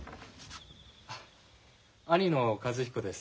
兄の一彦です。